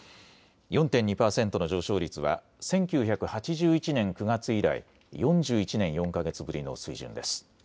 ４．２％の上昇率は１９８１年９月以来、４１年４か月ぶりの水準です。